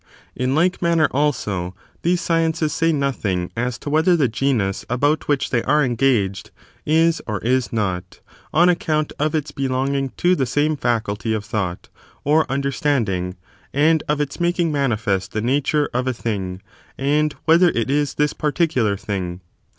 In like manner, also, these sciences say nothing as to whether the genus about which they are engaged is or is not, on account of its belonging to the same fiiculty of thought or understanding, and of its making manifest the nature, of a thing, and whether it is this particular thing.